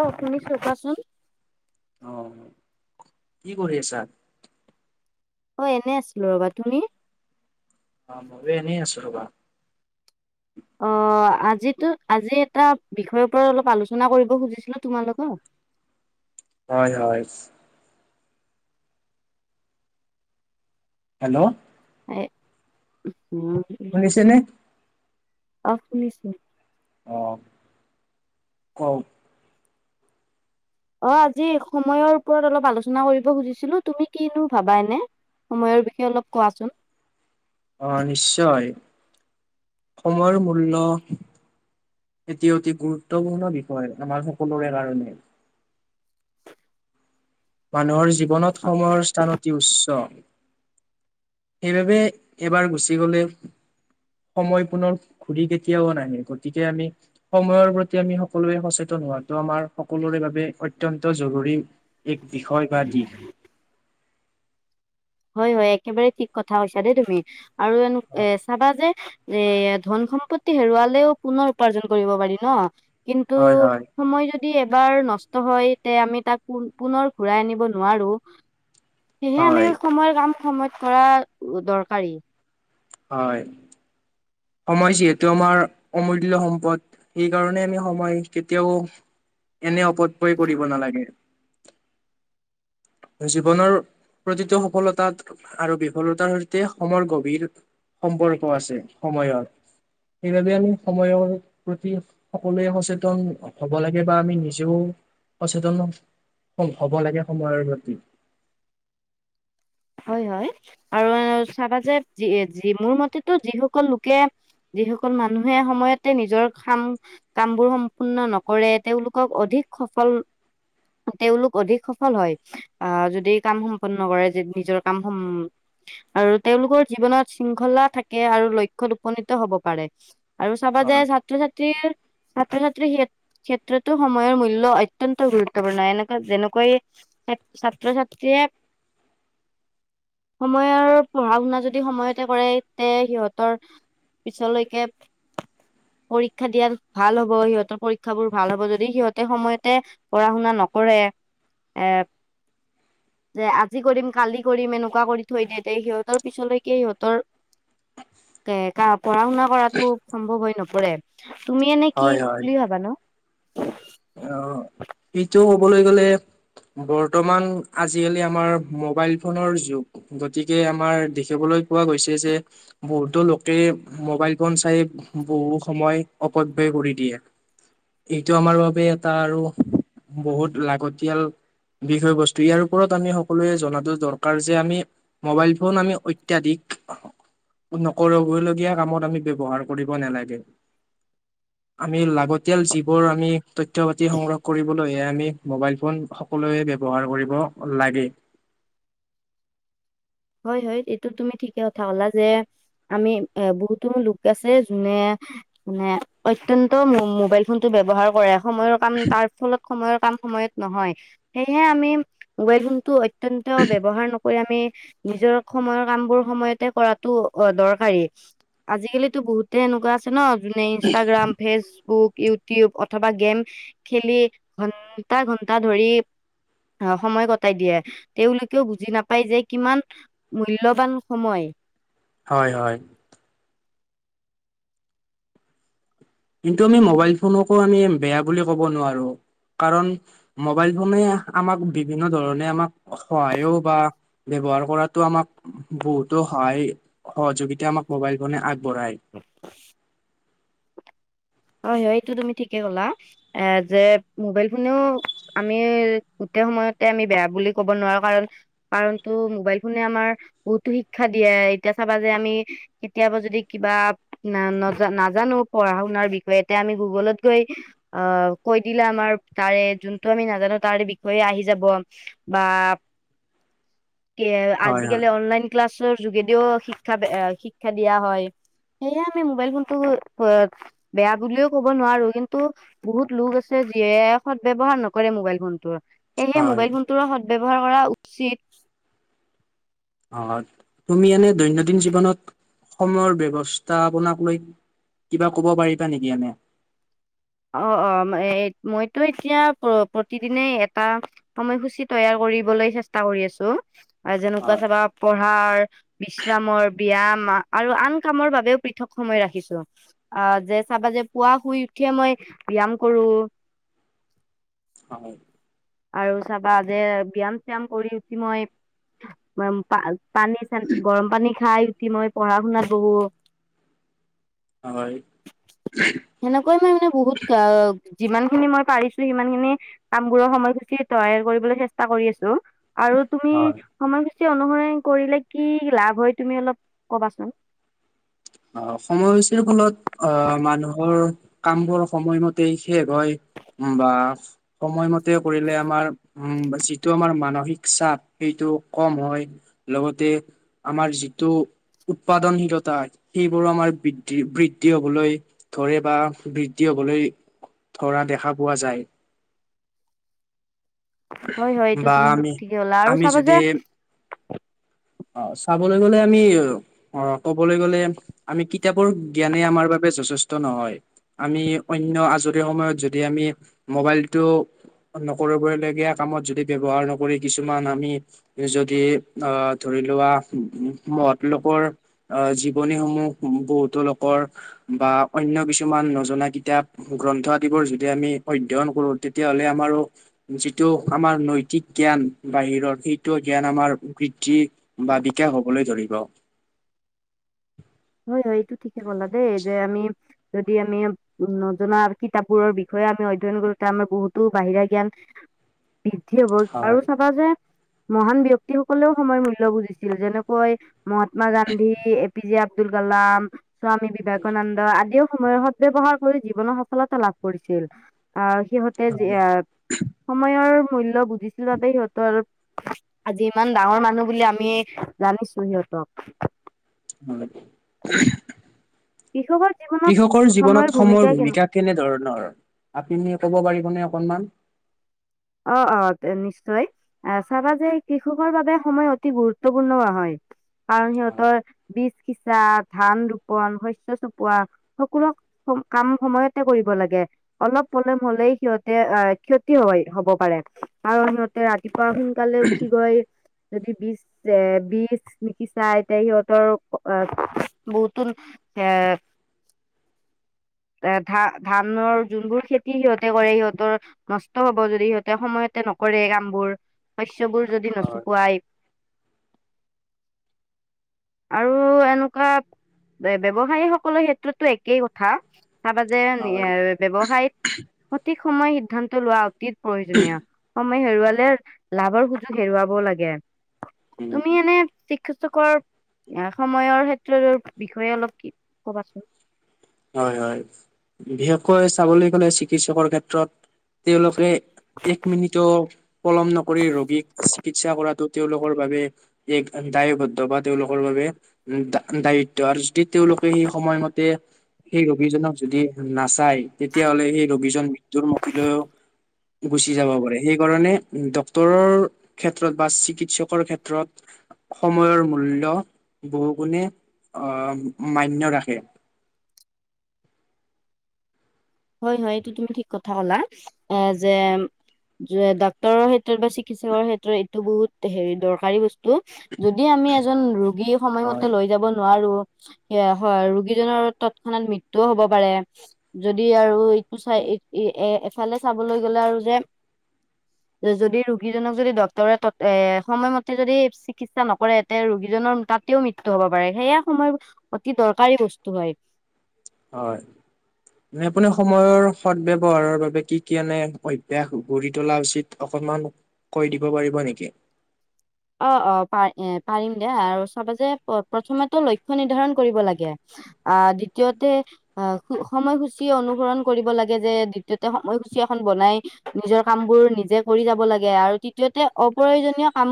অওহ, শুনিছো কোৱাচোন। অহ, কি কৰি আছা? অহ, এনে আছিলো ৰবা তুমি? অহ, মইয়ো এনে আছোঁ ৰবা। অ', আজিতো -আজি এটা বিষয়ৰ ওপৰত অলপ আলোচনা কৰিব খুজিছিলো তোমাৰ লগত। [inaudible] হয়- হয়। হেল্ল'। [unintelligible] শুনিছেনে? অহ, শুনিছোঁ। অহ, কওঁক অহ, আজি সময়ৰ ওপৰত অলপ আলোচনা কৰিব খুজিছিলো তুমি কিনো ভাবা এনে? সময়ৰ বিষয়ে অলপ কোৱাচোন? অহ, নিশ্চয় সময়ৰ মূল্য এটি অতি গুৰুত্বপূৰ্ণ বিষয় আমাৰ সকলোৰে কাৰণে। মানুহৰ জীৱনত সময়ৰ স্থান অতি উচ্চ। [inaudible] সেইবাবে এবাৰ গুচি গ'লে সময় পুনৰ ঘূৰি কেতিয়াও নাহে গতিকে আমি সময়ৰ প্ৰতি আমি সকলোৱে সচেতন হোৱাটো আমাৰ সকলোৰে বাবে অত্যন্ত জৰুৰী। এক বিষয় বা দিশ। হয়- হয় একেবাৰে ঠিক কথা কৈছা দেই তুমি আৰু এ চাবা যে এ ধন -সম্পত্তি হেৰুৱালেও পুনৰ উপাৰ্জন কৰিব পাৰি ন', কিন্তু হয়, হয়, সময় যদি যদি এবাৰ নষ্ট হয় তে আমি তাক পুনৰ ঘুৰাই আনিব নোৱাৰো। সেয়েহে আমি হয়। সময়ৰ কাম সময়ত কৰা দৰকাৰী। হয়। সময় যিহেতু আমাৰ অমূল্য সম্পদ সেইকাৰণে আমি সময় কেতিয়াও এনে অপতকয় কৰিব নালাগে। [inaudible] জীৱনৰ প্ৰতিটো সফলতাত আৰু বিফলতাৰ সৈতে সমৰ গভীৰ সম্পৰ্ক আছে সময়ৰ। সেইবাবে আমি সময়ৰ প্ৰতি সকলোৱে সচেতন হ'ব লাগে বা আমি নিজেও সচেতন হব লাগে সময়ৰ প্ৰতি। হয় -হয় আৰু চাবা যে যি মোৰ মতেতো যিসকল লোকে যিসকল মানুহে সময়তে নিজৰ কাম -কাম বোৰ সম্পূৰ্ণ নকৰে তেওঁওলোকক অধিক সফল, তেওঁলোক অধিক সফল হয় আহ যদি কাম সম্পন্ন কৰে নিজৰ কাম সম আৰু তেওঁলোকৰ জীৱনত শৃংখলা থাকে আৰু লক্ষ্যত উপনীত হব পাৰে। আৰু চাবা যে হয় ছাত্ৰ-ছাত্ৰীৰ ছাত্ৰ-ছাত্ৰীৰ ক্ষে-ক্ষেত্ৰতো সময়ৰ মূল্য অত্যন্ত গুৰুত্বপূৰ্ণ, এনেকুৱা যেনেকৈ ছাত্ৰ-ছাত্ৰীয়ে সময়ৰ পঢ়া শুনা যদি সময়তে কৰে, তে সিহঁতৰ পিছলৈকে পৰীক্ষা দিয়াত ভাল হ'ব সিহঁতৰ, পৰীক্ষাবোৰ ভাল হ'ব যদি সিহঁতে সময়তে পঢ়া শুনা ন নকৰে। এ যে আজি কৰিম কালি কৰিম এনেকুৱা কৰি থৈ দিয়ে, তে সিহঁতৰ পিছলৈকে সিহঁতৰ তে কা, পঢ়া শুনা কৰাতো সম্ভৱ হৈ নপৰে। তুমি এনে কি হয় হয় বুলি ভাবা নো? অ', ইটো কবলৈ গ'লে বৰ্তমান আজিকালি আমাৰ মোবাইল ফোনৰ যুগ, গতিকে আমাৰ দেখিবলৈ পোৱা গৈছে যে, বহুতো লোকে মোবাইল ফোন চাই বহু সময় অপ কৰি দিয়ে। এইটো আমাৰ বাবে এটা আৰু বহুত লাগতিয়াল বিষয়বস্তু। ইয়াৰ ওপৰত আমি সকলোৱে জনাতো দৰকাৰ যে আমি মোবাইল ফোন আমি অত্যাধিক নকৰিব লগীয়া কামত আমি ব্যৱহাৰ কৰিব নেলাগে। আমি লাগতিয়াল যিবোৰ আমি তথ্য-পাতি সংগ্ৰহ কৰিব এইয়া আমি মোবাইল ফোন সকলোৱে ব্যৱহাৰ কৰিব লাগে। [inaudible] হয় হয়, এইটোত তুমি ঠিকে কথা কলা যে আমি এ বহুতো লোক আছে যোনে মানে অত্যন্ত মো-মোবাইল ফোনটো ব্যৱহাৰ কৰে সময়ৰ কাম তাৰ ফলত সময়ৰ কাম সময়ত নহয়, সেইয়েহে আমি মোবাইল ফোনটো এক অত্যন্ত ব্যৱহাৰ নকৰি আমি নিজৰ সময়ৰ কামবোৰ সময়তে কৰাতটো অ দৰকাৰী। আজিকালিতো বহুতে এনেকুৱা আছে ন যোনে ইনষ্টাগ্ৰাম, ফেচবুক ইউটিউব, অথবা গেম খেলি ঘন্টা ঘন্টা ধৰি অ সময় কটাই দিয়ে, তেওঁলোকেও বুজি নাপায় যে কিমান মূল্যবান সময়। হয় হয়। কিন্তু আমি মোবাইল ফোনকো আমি বেয়া বুলি ক'ব নোৱাৰো। কাৰণ মোবাইল ফোনে আমাক বিভিন্ন ধৰণে আমাক সহায়ও বা বে ব্যৱহাৰ কৰাটো আমাক বহুতো সহায় সহযোগিতা আমাক মবাইল ফনে আগ বৰাই। হয় হয়, এইটো তুমি ঠিকে ক'লা এ যে মোবাইল ফোনেও আমি সময়তে আমি বেয়া বুলি ক'ব নোৱাৰো কাৰণ, কাৰণটো মোবাইল ফোনে আমাৰ বহুতো শিক্ষা দিয়ে এতিয়া চাবা যে আমি কেতিয়াবা যদি কিবা না-নাজানো পঢ়া শুনাৰ বি এতিয়া আমি গুগলত গৈ অ কৈ দিলে আমাৰ তাৰে যোনটো আমি নাজানো তাৰ বিষয়ে আহি যাব, বা হয় হয়। আজিকালি অনলাইন ক্লাছ যোগেদিও শিক্ষা আ শিক্ষা দিয়া হয়। সেয়ে আমি মোবাইল ফোনটো উ বেয়া বুলিও ক'ব নোৱাৰো, কিন্তু বহুত লোক আছে যিয়ে সত ব্যৱহাৰ নকৰে মোবাইল ফোনটো। সেয়হে হয় মোবাইল ফোনটোৰ সত ব্যৱহাৰ কৰা উচিত। হয়, তুমি এনে দৈনন্দিন জীৱনত সময়ৰ ব্যৱস্থা আপোনাক লৈ কিবা কব পাৰিবা নিকি এনে? অ' অ', এ মইতো এতিয়া প্ৰতিদিনে এটা সময়সূচী তৈয়াৰ কৰ কৰিবলৈ চেষ্টা কৰি আছো। যেনেকুৱা হয়। চাবা পঢ়াৰ, বিশ্ৰামৰ, ব্যাম আৰু আন কামৰ বাবেও পৃথক সময় ৰাখিছো। অ যে চাবা যে পুৱা শুই উঠিয়ে মই ব্যাম কৰো হয়। আৰু চাবা যে ব্যাম শ্যাম কৰি উঠি মই উ পা পানী চানি গৰম পানী খাই উঠি মই পঢ়া শুনাত বহো। হয়। সেনেকৈ মই মানে বহুত অ যিমান খিনি মই পাৰিছো, সিমান খিনি কামবোৰৰ সময়সূচী তৈয়াৰ কৰিবলৈ চেষ্টা কৰি আছো। আৰু তুমি হয় সময় পছ অনুসৰণ কৰিলে কি লাভ হয় তুমি অলপ কবাচোন। অ সময়সূচীৰ ফলত আহ মানুহৰ কামবোৰ সময়মতে শেষ হয় বা সময়মত তে কৰিলে আমাৰ উম যিটো আমাৰ মানস সিক চাপ সেইটো কম হয়, লগতে আমাৰ যিটো উৎপাদনশীলতা সেইবোৰো আমাৰ বৃদ্ধি বৃদ্ধি হবলৈ ধৰে বা বৃদ্ধি হবলৈ ধৰা দেখা পোৱা যায়। [inaudible] হয়, হয়। এইটো বা তুমি আমি ঠিকেই কলা আৰু আমি চাবা যে যদি অ চাবলৈ গলে আমি অ ক'বলৈ গলে আমি কিতাপৰ জ্ঞানে আমাৰ বাবে যথেষ্ট নহয় আমি অন্য আজৰি সময়ত যদি আমি মোবাইলটো নকৰিবই লগীয়া কামত যদি ব্যৱহাৰ নকৰি কিছুমান আমি যদি আহ ধৰি বিলোৱা মহৎ লোকৰ আ জীৱনী সমূহ বহ বহুতো লোকৰ বা অন্য কিছুমান নজনা কিতাপ গ্ৰন্থ আদিবৰ যদি আমি অধ্যয়ন কৰো তেতিয়াহলে আমাৰো যিটো আমাৰ নৈতিক জ্ঞান বাহিৰৰ সেই টো জ্ঞান আমাৰ বৃদ্ধি বা বিকাশ হবলৈ ধৰিব। হয়, হয়। এইটো ঠিকে কলা দেই যে আমি যদি আমি নজনা কিতাপবোৰৰ বিষয়ে আমি অধ্যয়ন কৰো তে আমাৰ বহুতো বাহিৰা জ্ঞান বৃদ্ধি হ'ব আৰু হয়। চাবা যে মহান ব্যক্তিসকলেও সময়ৰ মূল্য বুজিছিল। যেনেকৈ মহাত্মা গান্ধী, এ পি যে আব আব্দুল কালাম, স্বামী বিবেকানন্দ আদিও সময়ৰ সদ ব্যৱহাৰ কৰি জীৱনৰ সফলতা লাভ কৰিছিল। আৰ সিহঁতে হয়। জিয়া সময়ৰ মূল্য বুজিছিল বাবে সিহঁতৰ আজি ইমান ডাঙৰ মানুহ বুলি আমি জানিছো। সিহঁত তাত হয়। কৃষকৰ জীৱনত কৃষকৰ জীৱনত সময়ৰ কেনে ভূমিকা কেনেধৰণৰ? আপুনি ক'ব পাৰিবনে অকনমান? অ-অ, নিশ্চয়। আহ চাবা যে কৃষকৰ বাবে সময় অতি গুৰুত্বপূৰ্ণ হয়। কাৰণ হয়। সিহঁতৰ বিচ সিচা, ধান ৰোপন, শস্য চপোৱা সকলো কাম সময়তে কৰিব লাগে। অলপ পলেম হলেই সিহঁতে অ ক্ষতি হয়। হব পাৰে আৰু সিহঁতে ৰাতিপুৱা সোনকালে উঠি গৈ যদি বিছ এ বিছ নিশিচায় তে সিহঁতৰ বহুতো সে এ ধান ধানৰ যোনবোৰ খেতি সিহঁতে কৰে সিহঁতৰ নষ্ট হ ব যদি সিহঁতে সময়তে নকৰে কাম বোৰ। শস্যবোৰ যদি হয় নচুপোৱাই আৰু এনেকুৱা ব্যৱসায়ী সকলৰ ক্ষেত্ৰতো একেই কথা। চাবা যে এ ব্যৱসাইত সঠিক সময় সিদ্ধান্ত লোৱা অতীত প্ৰয়োজনীয় সময় হেৰুৱালে লাভৰ সুযোগ হেৰুৱাব লাগে। উম তুমি এনে [unintelligible] সময়ৰ ক্ষেত্ৰতো বিষয়ে অলপ কি কবাচোন? হয়- হয় বিশেষকৈ চাবলৈ গ'লে চিকিৎসকৰ ক্ষেত্ৰত তেওঁলোকে এক মিনিট পলম নকৰি ৰোগীক চিকিৎসা কৰাটো তেওঁলোকৰ বাবে এক দায়বদ্ধ বা তেওঁলোকৰ বাবে দায়িত্ব আৰু যদি তেওঁলোক সেই সময়মতে সেই ৰোগীজনক যদি নাচায় তেতিয়াহলে সেই ৰোগীজন মৃত্যুৰ মুখিলৈও গুচি যাব পাৰে সেইকাৰণে ডক্তৰৰ ক্ষেত্ৰত বা চিকিৎসকৰ ক্ষেত্ৰত সময়ৰ মূল্য বহুগুণে আহ, মান্য ৰাখে। হয় -হয় এইটো তুমি ঠিক কথা কলা এ যে যে ডাক্তৰৰ ক্ষেত্ৰত বা চিকিৎসকৰ ক্ষেত্ৰত এইটো বহুত হেৰি দৰকাৰী বস্তু। স্তু যদি আমি এজন ৰোগী সময়মতে হয় লৈ যাব নোৱাৰো সেইয়া হয় ৰোগীজনৰ তৎক্ষণাত মৃত্যুও হব পাৰে যদি আৰু চাই এফালে চাবলৈ গ'লে আৰু যে যদি ৰোগীজনক যদি ডক্তৰে ত' এ সময়মতে যদি চিকিৎসা নকৰে তে ৰোগীজনৰ তাত তেওঁ মৃত্যু হ'ব পাৰে সেয়া সময় অতি দৰকাৰী বস্তু হয়। হয়। মানে আপুনি সময়ৰ সদ ব্যৱহাৰৰ বাবে কি - কি এনে অভ্যাস গঢ়ি তোলা উচিত অকল অলপমান কৈ দিব পাৰিব নেকি? [inaudible] অ', - অ ', পাৰ এ পাৰিম দিয়া আৰু চাবা যে প্ৰথমেতো লক্ষ্য নিৰ্ধাৰণ কৰিব লাগে আহ, দ্বিতীয়তে অ' সময়সূচী অনুসৰণ কৰিব লাগে যে দ্বিতীয়তে সময়সূচী এখন বনাই নিজৰ কাম বোৰ নিজে কৰি যাব লাগে আৰু তৃতীয়তে অপ্ৰয়োজনীয় কাম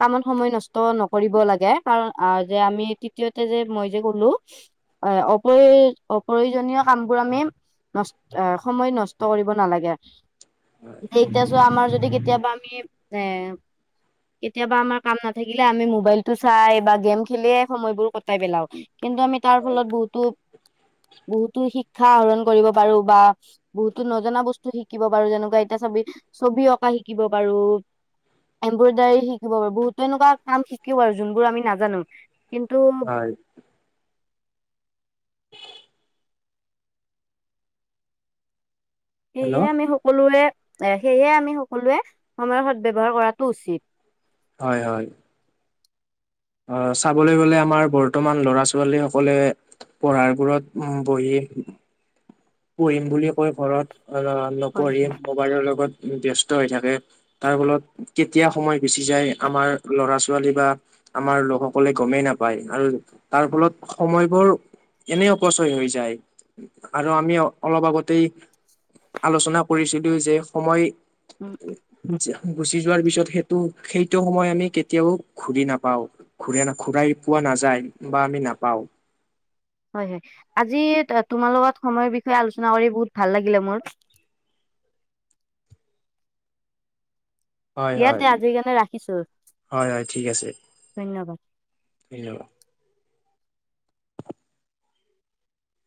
কামত সময় নষ্ট নকৰিব লাগে কাৰণ যে আমি তৃতীয়তে যে মই যে গ'লো হয়, অপয় -অপ্ৰয়োজনীয় কাম বোৰ আমি নষ্ট সময় নষ্ট কৰিব নালাগে। এতিয়া চোৱা আমাৰ যদি কেতিয়াবা আমি এ কেতিয়াবা আমাৰ কাম নাথাকিলে আমি মোবাইলটো চাই বা গেম খেলিয়ে সময়বোৰ কটাই পেলাও কিন্তু কিন্তু আমি তাৰ ফলত বহুতো বহুতো শিক্ষা আহৰণ কৰিব পাৰো বা বহুতো নজনা বস্তু শিকিব পাৰো যেনেকুৱা এতিয়া ছবি -ছবি অঁকা শিকিব পাৰো, এনব্ৰইডাৰী শিকিব পাৰু বহুতো তেনেকুৱা কাম শিকিব আৰু যোনবোৰ আমি নাজানো। কিন্তু, হয় হেল্ল' সেইহে আমি সকলোৱে এ সেয়েহে আমি সকলোৱে সময়ৰ সদ ব্যৱহাৰ কৰাটো উচিত। হয় -হয় আহ, চাবলৈ গলে আমাৰ বৰ্তমান ল'ৰা- ছোৱালী সকলে পঢ়াৰগোৰত উম বহি পঢ়িম বুলিয়ে কৈ ঘৰত হয় অ'নপঢ়ি মোবাইলৰ লগত ব্যস্ত হৈ থাকে তাৰ ফলত কেতিয়া সময় গুচি যায় আমাৰ ল'ৰা -ছোৱালী বা আমাৰ লোকসকলে গমেই নাপায় আৰু তাৰ ফলত সময়বোৰ এনে অপচয় হৈ যায় আৰু আমি আমি অলপ আগতেই আলোচনা কৰিছিলো যে সময় উম [unintelligible] গুচি যোৱাৰ পিছত সেইটো -সেইটো সময় আমি কেতিয়াও ঘূৰি নাপাও ঘূৰা ন ঘূৰাই পোৱা না নাযায় বা আমি নাপাওঁ। [inaudible] হয় আজি তোমাৰ লগত সময়ৰ বিষয়ে আলোচনা কৰি বহুত ভাল লাগিলে মোৰ। দিয়া তে হয়-হয়, আজিৰ কাৰণে ৰাখিছো হয়-হয়, ঠিক আছে। ধন্যবাদ হেল্লো